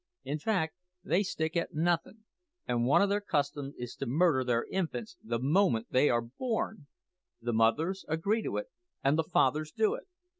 In fact, they stick at nothing; and one o' their customs is to murder their infants the moment they are born. The mothers agree to it, and the fathers do it.